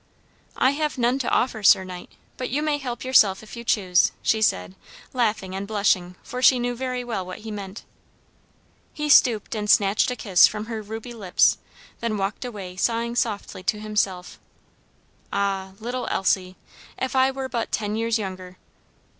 "I have none to offer, sir knight, but you may help yourself if you choose," she said, laughing and blushing, for she knew very well what he meant. He stooped and snatched a kiss from her ruby lips, then walked away sighing softly to himself, "Ah, little Elsie, if I were but ten years younger!"